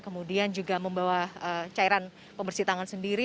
kemudian juga membawa cairan pembersih tangan sendiri